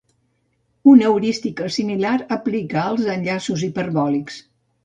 Una heurística similar aplica als enllaços hiperbòlics.